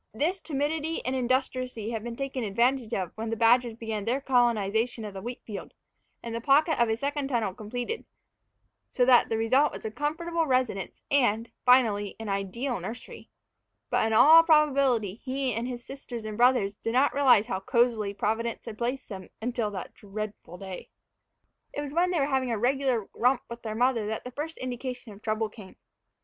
This timidity and industry had been taken advantage of when the badgers began their colonization of the wheat field, and the pocket and a second tunnel completed; so that the result was a comfortable residence and, finally, an ideal nursery. But in all probability he and his brothers and sisters did not realize how cozily Providence had placed them until that dreadful day. It was when they were having their regular romp with their mother that the first indication of trouble came.